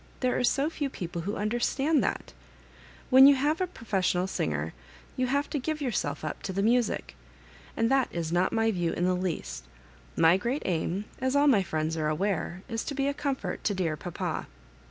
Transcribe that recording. There are so few people who understand that When you have professional singers, you have to give your self up to music ; and that is not my view in the least My great aim, as all my friends are aware, is to be a comfort to dear papa."